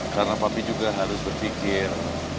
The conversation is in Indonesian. karena pak pi juga harus berpikir